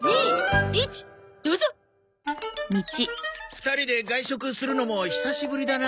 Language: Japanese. ２人で外食するのも久しぶりだな。